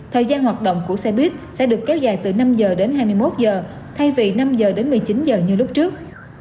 thời gian hoạt động của xe buýt sẽ được kéo dài từ năm giờ đến hai mươi một giờ thay vì năm h đến một mươi chín giờ như lúc trước